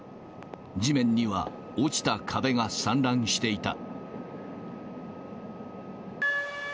地面には、落ちた壁が散乱していた。